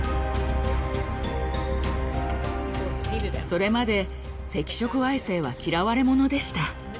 それまで赤色矮星は嫌われものでした。